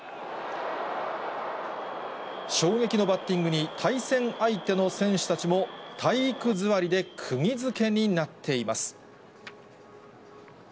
衝撃のバッティングに、対戦相手の選手たちも、体育座りでくぎづけになっています。